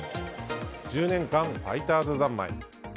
１０年間ファイターズざんまい。